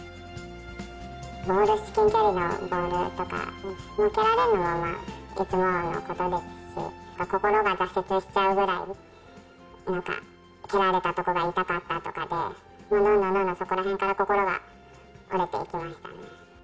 ボール、至近距離のボールとか、蹴られるのもいつものことですし、心が挫折しちゃうぐらい、なんか蹴られる所が痛かったとかで、どんどんどんどんそこらへんから心が折れていきましたね。